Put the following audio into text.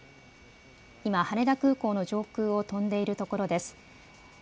今、羽田空港の上空を飛んでいるところです。